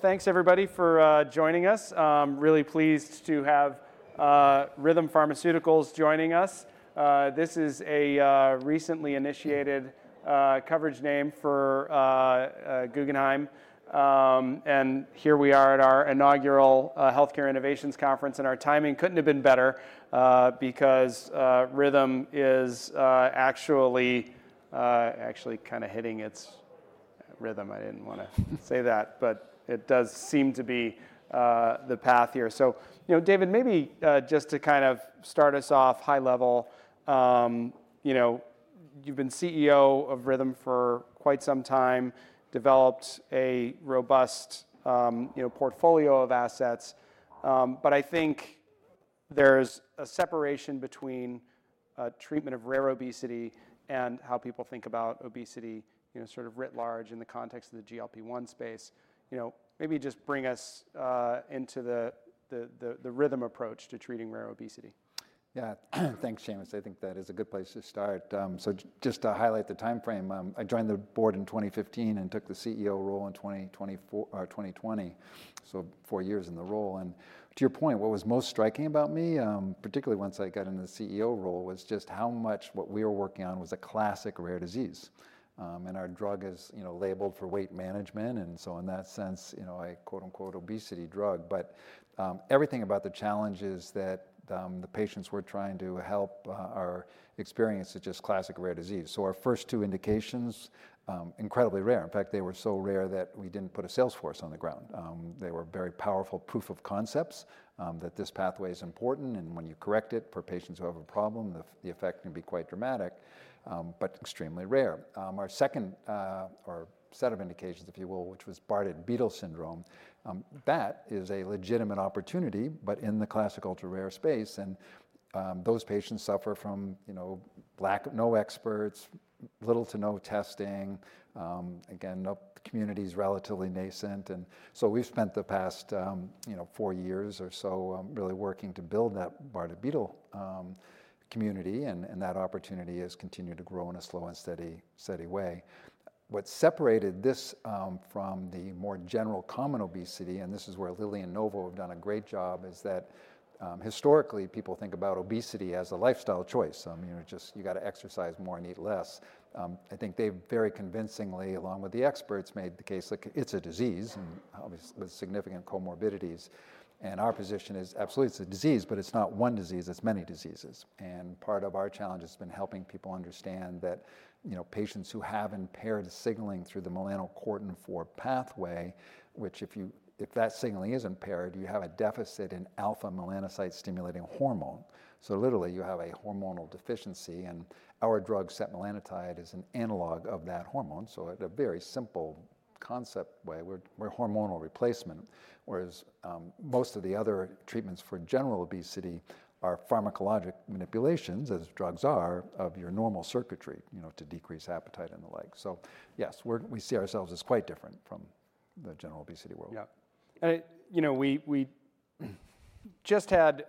Thanks, everybody, for joining us. I'm really pleased to have Rhythm Pharmaceuticals joining us. This is a recently initiated coverage name for Guggenheim. Here we are at our inaugural Healthcare Innovations Conference, and our timing couldn't have been better because Rhythm is actually kind of hitting its rhythm. I didn't want to say that, but it does seem to be the path here. David, maybe just to kind of start us off high level, you've been CEO of Rhythm for quite some time, developed a robust portfolio of assets. I think there's a separation between treatment of rare obesity and how people think about obesity sort of writ large in the context of the GLP-1 space. Maybe just bring us into the Rhythm approach to treating rare obesity. Yeah, thanks, Seamus. I think that is a good place to start. So just to highlight the time frame, I joined the board in 2015 and took the CEO role in 2020, so four years in the role. And to your point, what was most striking about me, particularly once I got into the CEO role, was just how much what we were working on was a classic rare disease. And our drug is labeled for weight management, and so in that sense, a quote-unquote "obesity drug." But everything about the challenges that the patients were trying to help are experienced as just classic rare disease. So our first two indications were incredibly rare. In fact, they were so rare that we didn't put a sales force on the ground. They were very powerful proof of concepts that this pathway is important, and when you correct it for patients who have a problem, the effect can be quite dramatic. But extremely rare. Our second set of indications, if you will, which was Bardet-Biedl syndrome, that is a legitimate opportunity, but in the classic ultra-rare space. And those patients suffer from no experts, little to no testing. Again, the community is relatively nascent. And so we've spent the past four years or so really working to build that Bardet-Biedl community, and that opportunity has continued to grow in a slow and steady way. What separated this from the more general common obesity, and this is where Lilly and Novo have done a great job, is that historically, people think about obesity as a lifestyle choice. You got to exercise more and eat less. I think they very convincingly, along with the experts, made the case that it's a disease with significant comorbidities. And our position is absolutely it's a disease, but it's not one disease, it's many diseases. And part of our challenge has been helping people understand that patients who have impaired signaling through the melanocortin-4 pathway, which if that signaling is impaired, you have a deficit in alpha-melanocyte-stimulating hormone. So literally, you have a hormonal deficiency. And our drug, setmelanotide, is an analog of that hormone. So in a very simple concept way, we're hormonal replacement, whereas most of the other treatments for general obesity are pharmacologic manipulations, as drugs are, of your normal circuitry to decrease appetite and the like. So yes, we see ourselves as quite different from the general obesity world. Yeah. And we just had,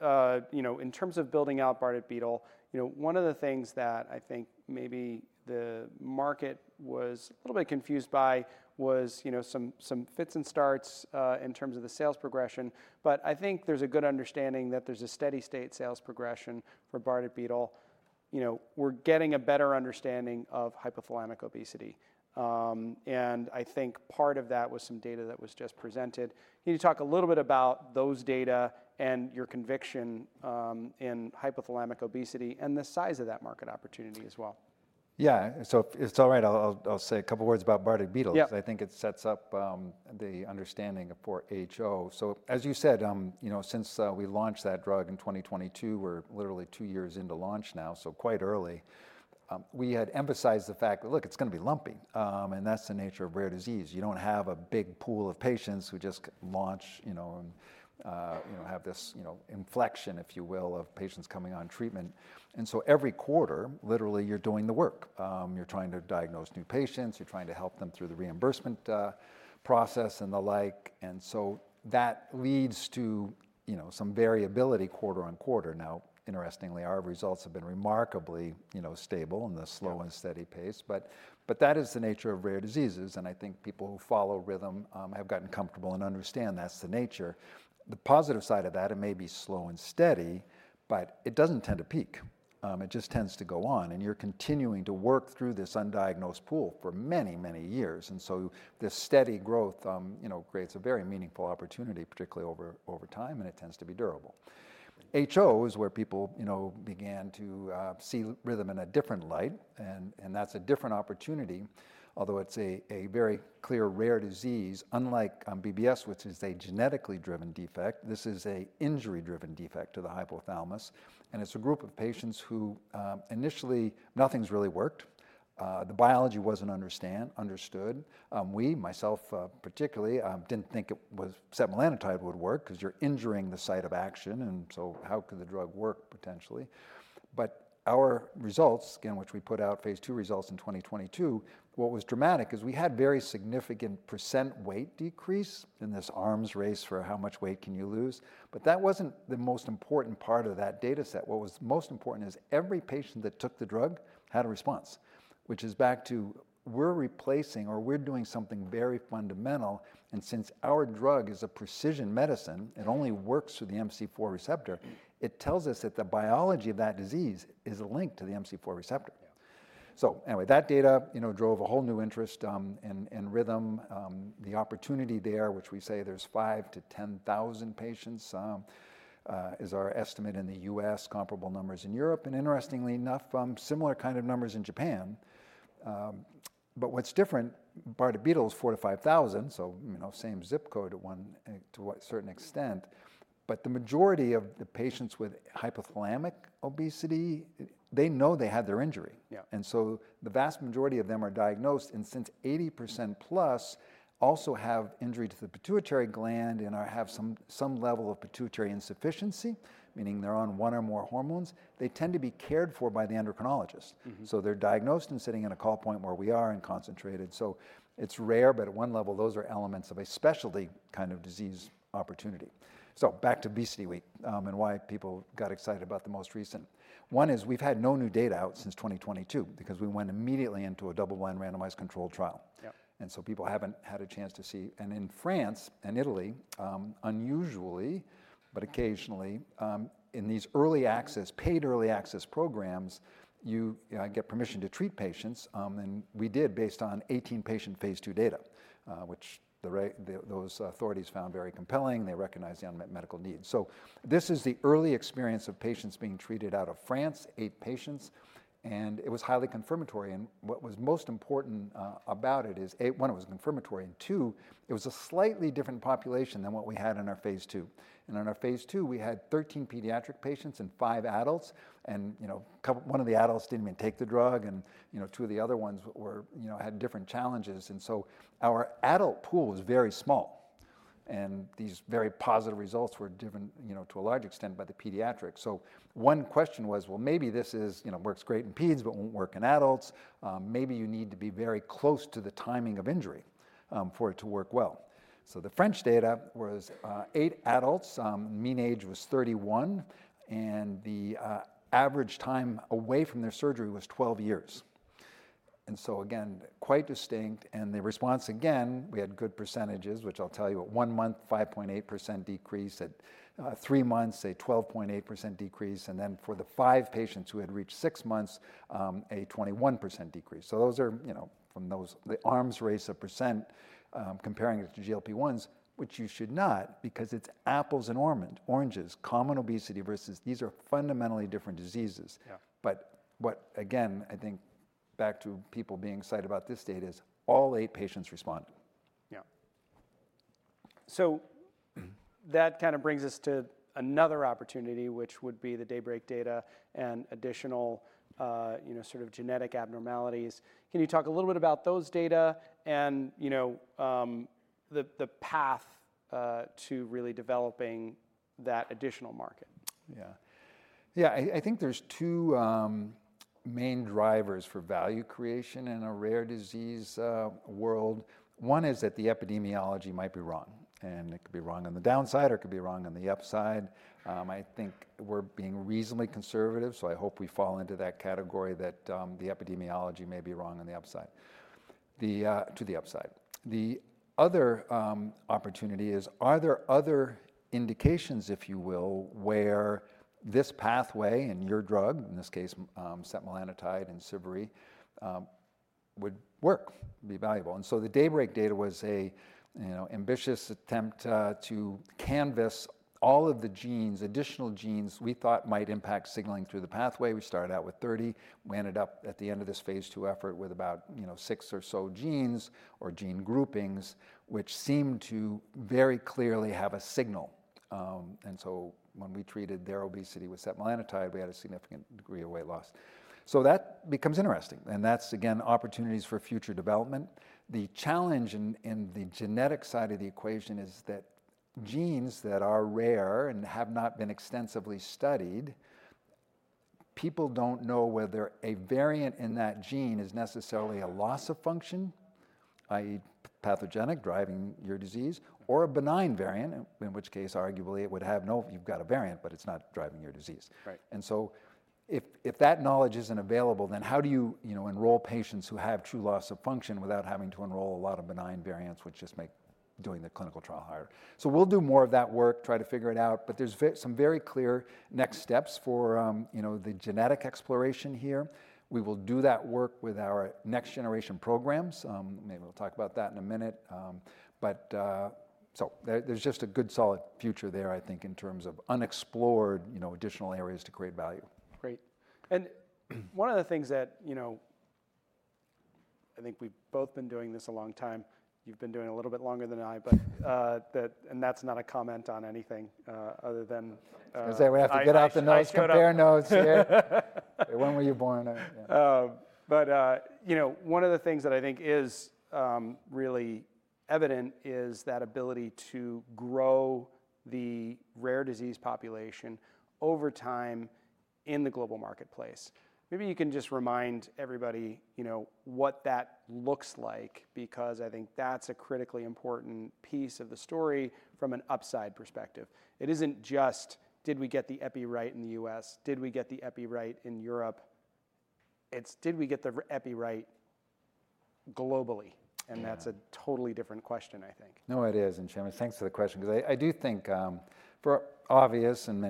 in terms of building out Bardet-Biedl, one of the things that I think maybe the market was a little bit confused by was some fits and starts in terms of the sales progression. But I think there's a good understanding that there's a steady-state sales progression for Bardet-Biedl. We're getting a better understanding of hypothalamic obesity. And I think part of that was some data that was just presented. Can you talk a little bit about those data and your conviction in hypothalamic obesity and the size of that market opportunity as well? Yeah. So if it's all right, I'll say a couple of words about Bardet-Biedl. Yeah. Because I think it sets up the understanding for HO. So as you said, since we launched that drug in 2022, we're literally two years into launch now, so quite early. We had emphasized the fact, look, it's going to be lumpy, and that's the nature of rare disease. You don't have a big pool of patients who just launch and have this inflection, if you will, of patients coming on treatment. And so every quarter, literally, you're doing the work. You're trying to diagnose new patients. You're trying to help them through the reimbursement process and the like. And so that leads to some variability quarter on quarter. Now, interestingly, our results have been remarkably stable in the slow and steady pace. But that is the nature of rare diseases. And I think people who follow Rhythm have gotten comfortable and understand that's the nature. The positive side of that, it may be slow and steady, but it doesn't tend to peak. It just tends to go on, and you're continuing to work through this undiagnosed pool for many, many years, and so this steady growth creates a very meaningful opportunity, particularly over time, and it tends to be durable. HO is where people began to see Rhythm in a different light, and that's a different opportunity, although it's a very clear rare disease, unlike BBS, which is a genetically driven defect. This is an injury-driven defect to the hypothalamus, and it's a group of patients who initially, nothing's really worked. The biology wasn't understood. We, myself particularly, didn't think setmelanotide would work because you're injuring the site of action, and so how could the drug work, potentially? But our results, again, which we put out, phase two results in 2022. What was dramatic is we had very significant percent weight decrease in this arms race for how much weight can you lose. But that wasn't the most important part of that data set. What was most important is every patient that took the drug had a response, which is back to we're replacing or we're doing something very fundamental. And since our drug is a precision medicine, it only works through the MC4 receptor. It tells us that the biology of that disease is linked to the MC4 receptor. So anyway, that data drove a whole new interest in Rhythm. The opportunity there, which we say there's 5,000 patients-10,000 patients, is our estimate in the U.S., comparable numbers in Europe. And interestingly enough, similar kind of numbers in Japan. But what's different, Bardet-Biedl is 4,000-5,000, so same zip code to a certain extent. But the majority of the patients with hypothalamic obesity, they know they had their injury. And so the vast majority of them are diagnosed. And since 80% plus also have injury to the pituitary gland and have some level of pituitary insufficiency, meaning they're on one or more hormones, they tend to be cared for by the endocrinologist. So they're diagnosed and sitting in a call point where we are and concentrated. So it's rare, but at one level, those are elements of a specialty kind of disease opportunity. So back to ObesityWeek and why people got excited about the most recent. One is we've had no new data out since 2022 because we went immediately into a double-blind randomized controlled trial. And so people haven't had a chance to see. In France and Italy, unusually, but occasionally, in these early access, paid early access programs, you get permission to treat patients. We did based on 18-patient phase two data, which those authorities found very compelling. They recognized the unmet medical needs. This is the early experience of patients being treated out of France, eight patients. It was highly confirmatory. What was most important about it is, one, it was confirmatory, and two, it was a slightly different population than what we had in our phase II. In our phase II, we had 13 pediatric patients and five adults. One of the adults didn't even take the drug. Two of the other ones had different challenges, so our adult pool was very small. These very positive results were different to a large extent by the pediatrics. One question was, well, maybe this works great in peds, but won't work in adults. Maybe you need to be very close to the timing of injury for it to work well. The French data was eight adults. Mean age was 31. The average time away from their surgery was 12 years. Again, quite distinct. The response, again, we had good percentages, which I'll tell you, at one month, 5.8% decrease. At three months, a 12.8% decrease. For the five patients who had reached six months, a 21% decrease. Those are from the arms race of percent comparing it to GLP-1s, which you should not because it's apples and oranges, common obesity versus these are fundamentally different diseases. What, again, I think back to people being excited about this data is all eight patients responded. Yeah. So that kind of brings us to another opportunity, which would be the Daybreak data and additional sort of genetic abnormalities. Can you talk a little bit about those data and the path to really developing that additional market? Yeah. Yeah, I think there's two main drivers for value creation in a rare disease world. One is that the epidemiology might be wrong. And it could be wrong on the downside, or it could be wrong on the upside. I think we're being reasonably conservative, so I hope we fall into that category that the epidemiology may be wrong on the upside. The other opportunity is, are there other indications, if you will, where this pathway and your drug, in this case, setmelanotide and Imcivree, would work, be valuable? And so the Daybreak data was an ambitious attempt to canvas all of the genes, additional genes we thought might impact signaling through the pathway. We started out with 30. We ended up at the end of this phase two effort with about six or so genes or gene groupings, which seemed to very clearly have a signal. And so when we treated their obesity with setmelanotide, we had a significant degree of weight loss. So that becomes interesting. And that's, again, opportunities for future development. The challenge in the genetic side of the equation is that genes that are rare and have not been extensively studied, people don't know whether a variant in that gene is necessarily a loss of function, i.e., pathogenic driving your disease, or a benign variant, in which case, arguably, it would have no you've got a variant, but it's not driving your disease. Right. If that knowledge isn't available, then how do you enroll patients who have true loss of function without having to enroll a lot of benign variants, which just make doing the clinical trial harder? We'll do more of that work, try to figure it out. There's some very clear next steps for the genetic exploration here. We will do that work with our next generation programs. Maybe we'll talk about that in a minute. There's just a good solid future there, I think, in terms of unexplored additional areas to create value. Great. And one of the things that I think we've both been doing this a long time. You've been doing it a little bit longer than I, but that's not a comment on anything other than. I was saying we have to get out the nice bare notes here. When were you born? But one of the things that I think is really evident is that ability to grow the rare disease population over time in the global marketplace. Maybe you can just remind everybody what that looks like because I think that's a critically important piece of the story from an upside perspective. It isn't just, did we get the Epi right in the U.S.? Did we get the Epi right in Europe? It's did we get the Epi right globally? And that's a totally different question, I think. No, it is. And, Seamus, thanks for the question because I do think for obvious and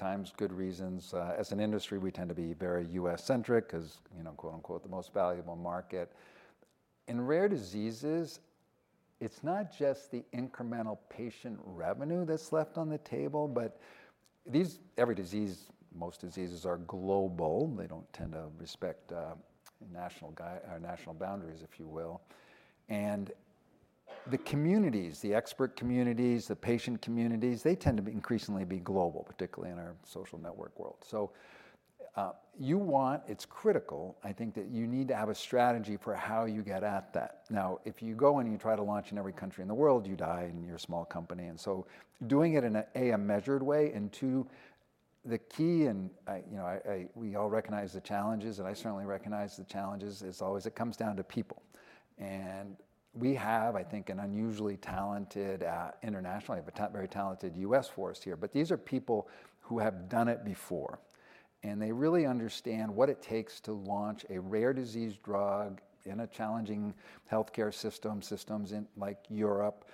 many times good reasons, as an industry, we tend to be very U.S.-centric because, quote unquote, the most valuable market. In rare diseases, it's not just the incremental patient revenue that's left on the table, but every disease, most diseases are global. They don't tend to respect national boundaries, if you will. And the communities, the expert communities, the patient communities, they tend to increasingly be global, particularly in our social network world. So you want, it's critical, I think, that you need to have a strategy for how you get at that. Now, if you go and you try to launch in every country in the world, you die and you're a small company. And so doing it in a measured way. And two, the key, and we all recognize the challenges, and I certainly recognize the challenges, is always it comes down to people. And we have, I think, an unusually talented internationally, but not very talented U.S. force here. But these are people who have done it before. And they really understand what it takes to launch a rare disease drug in a challenging healthcare system, systems like Europe,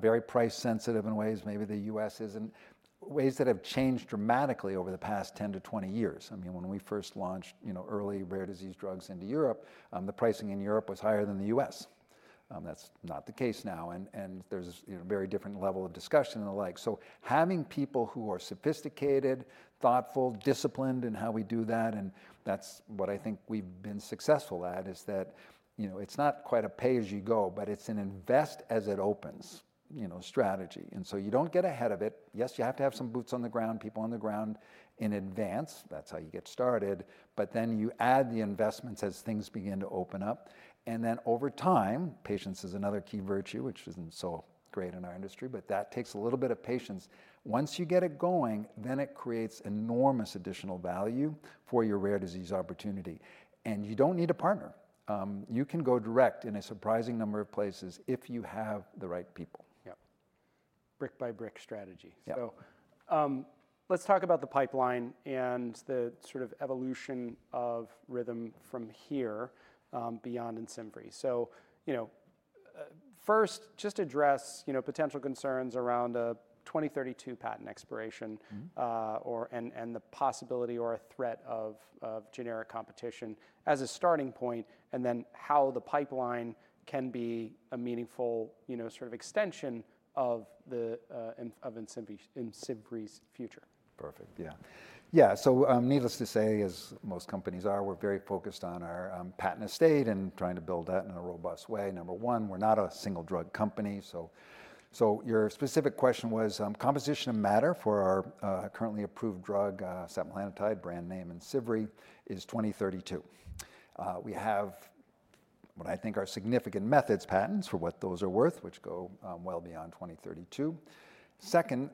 very price-sensitive in ways, maybe the U.S. isn't, ways that have changed dramatically over the past 10 years-20 years. I mean, when we first launched early rare disease drugs into Europe, the pricing in Europe was higher than the U.S. That's not the case now. And there's a very different level of discussion and the like. Having people who are sophisticated, thoughtful, disciplined in how we do that, and that's what I think we've been successful at, is that it's not quite a pay as you go, but it's an invest as it opens strategy. You don't get ahead of it. Yes, you have to have some boots on the ground, people on the ground in advance. That's how you get started. Then you add the investments as things begin to open up. Over time, patience is another key virtue, which isn't so great in our industry, but that takes a little bit of patience. Once you get it going, it creates enormous additional value for your rare disease opportunity. You don't need a partner. You can go direct in a surprising number of places if you have the right people. Yeah. Brick by brick strategy. So let's talk about the pipeline and the sort of evolution of Rhythm from here beyond Imcivree. So first, just address potential concerns around a 2032 patent expiration and the possibility or a threat of generic competition as a starting point, and then how the pipeline can be a meaningful sort of extension of Imcivree's future. Perfect. Yeah. Yeah, so needless to say, as most companies are, we're very focused on our patent estate and trying to build that in a robust way. Number one, we're not a single drug company, so your specific question was composition of matter for our currently approved drug, setmelanotide, brand name Imcivree, is 2032. We have what I think are significant methods patents for what those are worth, which go well beyond 2032. Second,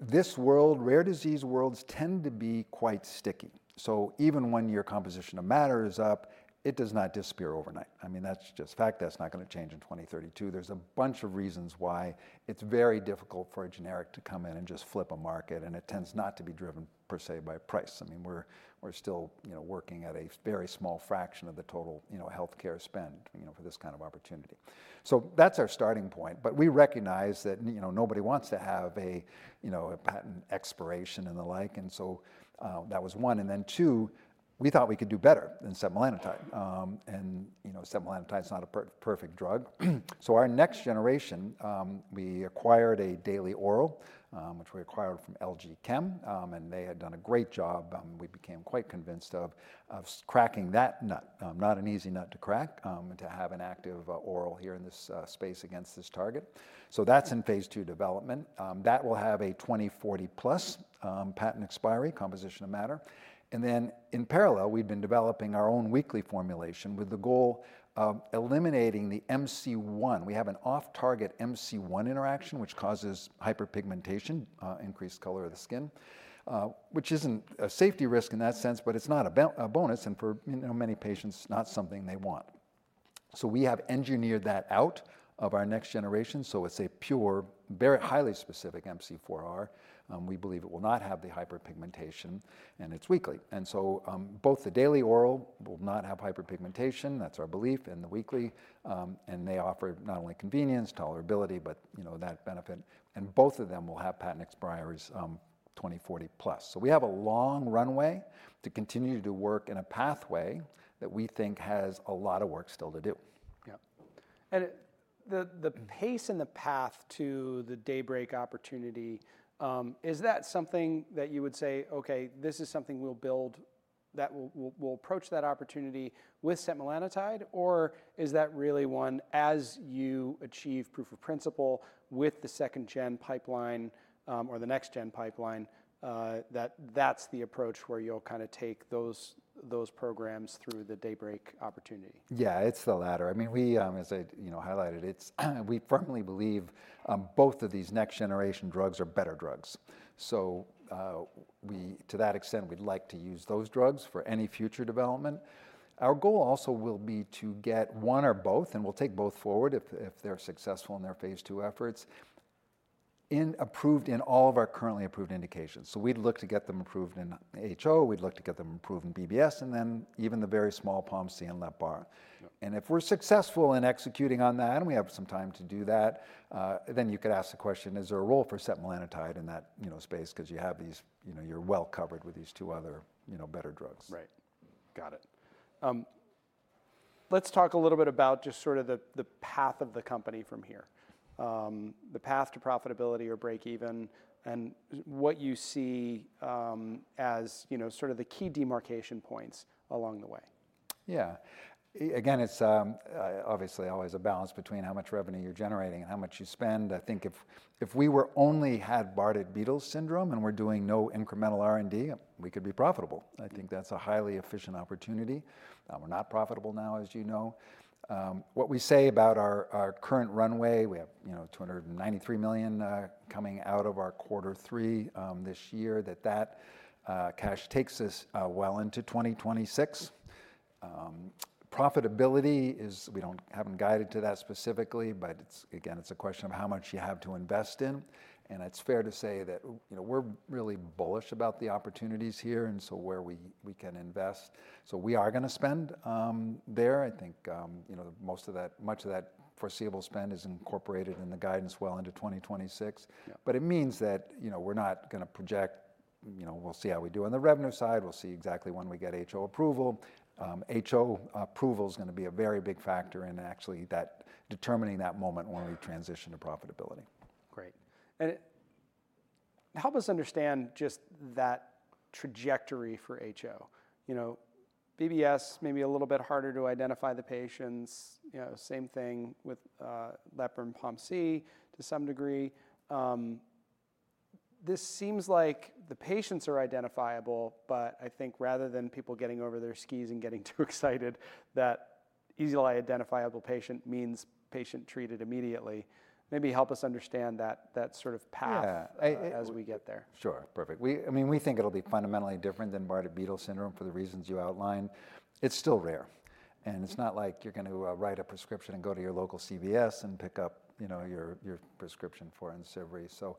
this world, rare disease worlds tend to be quite sticky, so even when your composition of matter is up, it does not disappear overnight. I mean, that's just fact. That's not going to change in 2032. There's a bunch of reasons why it's very difficult for a generic to come in and just flip a market, and it tends not to be driven per se by price. I mean, we're still working at a very small fraction of the total healthcare spend for this kind of opportunity. So that's our starting point. But we recognize that nobody wants to have a patent expiration and the like. And so that was one. And then two, we thought we could do better than setmelanotide. And setmelanotide is not a perfect drug. So our next generation, we acquired a daily oral, which we acquired from LG Chem. And they had done a great job. We became quite convinced of cracking that nut. Not an easy nut to crack and to have an active oral here in this space against this target. So that's in phase two development. That will have a 2040 plus patent expiry, composition of matter. And then in parallel, we've been developing our own weekly formulation with the goal of eliminating the MC1. We have an off-target MC1 interaction, which causes hyperpigmentation, increased color of the skin, which isn't a safety risk in that sense, but it's not a bonus, and for many patients, it's not something they want, so we have engineered that out of our next generation, so it's a pure, very highly specific MC4R. We believe it will not have the hyperpigmentation, and it's weekly, and so both the daily oral will not have hyperpigmentation. That's our belief, and the weekly, and they offer not only convenience, tolerability, but that benefit, and both of them will have patent expiry 2040 plus, so we have a long runway to continue to work in a pathway that we think has a lot of work still to do. Yeah. And the pace and the path to the Daybreak opportunity, is that something that you would say, okay, this is something we'll build that we'll approach that opportunity with setmelanotide? Or is that really one, as you achieve proof of principle with the second-gen pipeline or the next-gen pipeline, that that's the approach where you'll kind of take those programs through the Daybreak opportunity? Yeah, it's the latter. I mean, as I highlighted, we firmly believe both of these next-generation drugs are better drugs. So to that extent, we'd like to use those drugs for any future development. Our goal also will be to get one or both, and we'll take both forward if they're successful in their phase II efforts, approved in all of our currently approved indications. So we'd look to get them approved in HO. We'd look to get them approved in BBS, and then even the very small POMC and LEPR. And if we're successful in executing on that, and we have some time to do that, then you could ask the question, is there a role for setmelanotide in that space? Because you have these, you're well covered with these two other better drugs. Right. Got it. Let's talk a little bit about just sort of the path of the company from here, the path to profitability or breakeven, and what you see as sort of the key demarcation points along the way. Yeah. Again, it's obviously always a balance between how much revenue you're generating and how much you spend. I think if we only had Bardet-Biedl syndrome and we're doing no incremental R&D, we could be profitable. I think that's a highly efficient opportunity. We're not profitable now, as you know. What we say about our current runway, we have $293 million coming out of our quarter three this year, that cash takes us well into 2026. Profitability, we haven't guided to that specifically, but again, it's a question of how much you have to invest in. It's fair to say that we're really bullish about the opportunities here and so where we can invest. We are going to spend there. I think much of that foreseeable spend is incorporated in the guidance well into 2026. But it means that we're not going to project, we'll see how we do on the revenue side. We'll see exactly when we get HO approval. HO approval is going to be a very big factor in actually determining that moment when we transition to profitability. Great. And help us understand just that trajectory for HO. BBS, maybe a little bit harder to identify the patients. Same thing with LEPR and POMC to some degree. This seems like the patients are identifiable, but I think rather than people getting over their skis and getting too excited, that easily identifiable patient means patient treated immediately. Maybe help us understand that sort of path as we get there. Yeah. Sure. Perfect. I mean, we think it'll be fundamentally different than Bardet-Biedl syndrome for the reasons you outlined. It's still rare, and it's not like you're going to write a prescription and go to your local CVS and pick up your prescription for Imcivree, so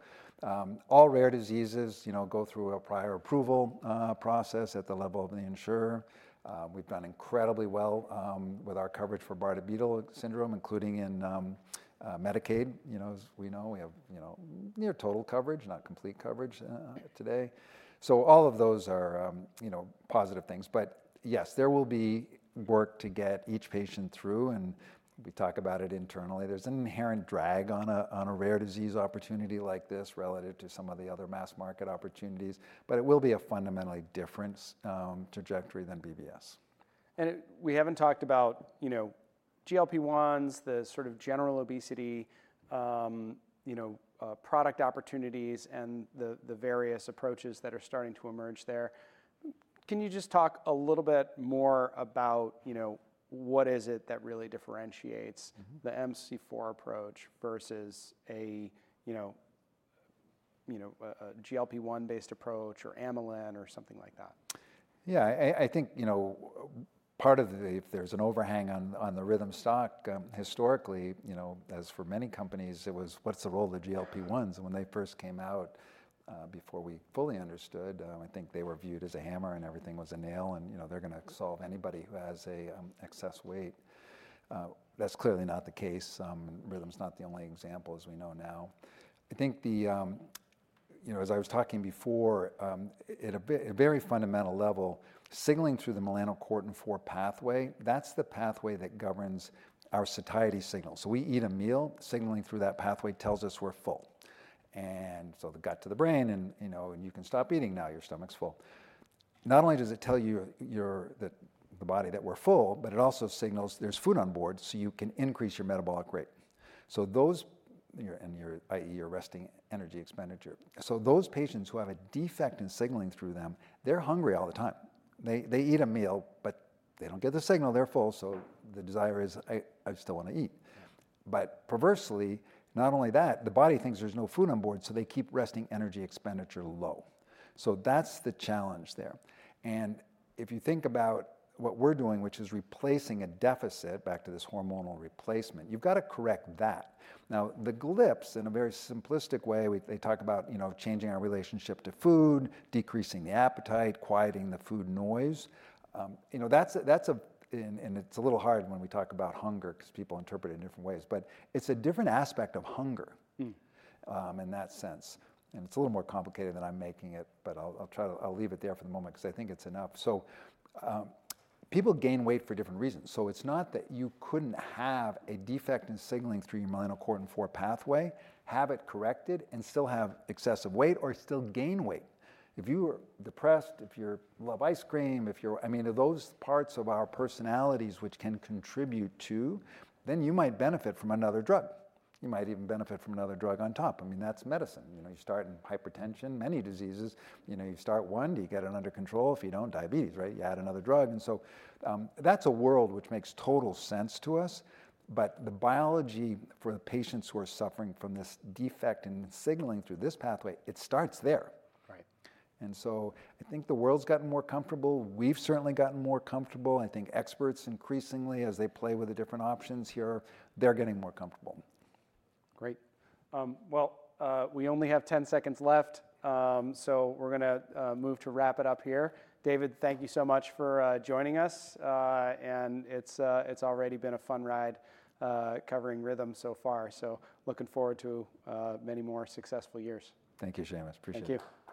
all rare diseases go through a prior approval process at the level of the insurer. We've done incredibly well with our coverage for Bardet-Biedl syndrome, including in Medicaid, as we know. We have near total coverage, not complete coverage today, so all of those are positive things, but yes, there will be work to get each patient through, and we talk about it internally. There's an inherent drag on a rare disease opportunity like this relative to some of the other mass market opportunities, but it will be a fundamentally different trajectory than BBS. We haven't talked about GLP-1s, the sort of general obesity product opportunities, and the various approaches that are starting to emerge there. Can you just talk a little bit more about what is it that really differentiates the MC4 approach versus a GLP-1-based approach or amylin or something like that? Yeah. I think part of the, if there's an overhang on the Rhythm stock historically, as for many companies, it was, what's the role of the GLP-1s? And when they first came out, before we fully understood, I think they were viewed as a hammer and everything was a nail. And they're going to solve anybody who has excess weight. That's clearly not the case. Rhythm's not the only example as we know now. I think as I was talking before, at a very fundamental level, signaling through the melanocortin-4 pathway, that's the pathway that governs our satiety signal. So we eat a meal, signaling through that pathway tells us we're full. And so the gut to the brain, and you can stop eating now, your stomach's full. Not only does it tell the body that we're full, but it also signals there's food on board, so you can increase your metabolic rate, so those, and your resting energy expenditure, so those patients who have a defect in signaling through them, they're hungry all the time. They eat a meal, but they don't get the signal they're full, so the desire is, I still want to eat, but perversely, not only that, the body thinks there's no food on board, so they keep resting energy expenditure low, so that's the challenge there and if you think about what we're doing, which is replacing a deficit, back to this hormonal replacement, you've got to correct that. Now, the GLPs, in a very simplistic way, they talk about changing our relationship to food, decreasing the appetite, quieting the food noise. It's a little hard when we talk about hunger because people interpret it in different ways. It's a different aspect of hunger in that sense. It's a little more complicated than I'm making it, but I'll leave it there for the moment because I think it's enough. People gain weight for different reasons. It's not that you couldn't have a defect in signaling through your melanocortin-4 pathway, have it corrected, and still have excessive weight or still gain weight. If you're depressed, if you love ice cream, if you're, I mean, those parts of our personalities which can contribute to, then you might benefit from another drug. You might even benefit from another drug on top. I mean, that's medicine. You start in hypertension, many diseases. You start one, do you get it under control? If you don't, diabetes, right? You add another drug. And so that's a world which makes total sense to us. But the biology for the patients who are suffering from this defect in signaling through this pathway, it starts there. And so I think the world's gotten more comfortable. We've certainly gotten more comfortable. I think experts increasingly, as they play with the different options here, they're getting more comfortable. Great. Well, we only have 10 seconds left, so we're going to move to wrap it up here. David, thank you so much for joining us, and it's already been a fun ride covering Rhythm so far, so looking forward to many more successful years. Thank you, Seamus. Appreciate it. Thank you.